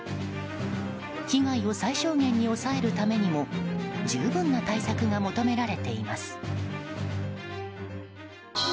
被害を最小限に抑えるためにも十分な対策が求められています。